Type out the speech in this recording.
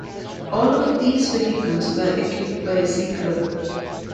All of these vehicles were equipped by Ziegler.